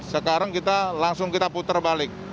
sekarang kita langsung kita putar balik